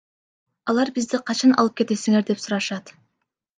Алар бизди качан алып кетесиңер деп сурашат.